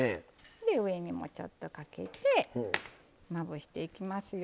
上にもちょっとかけてまぶしていきますよ。